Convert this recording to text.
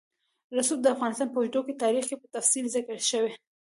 رسوب د افغانستان په اوږده تاریخ کې په تفصیل ذکر شوی.